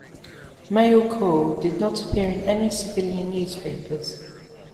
"Male Call" did not appear in any civilian newspapers.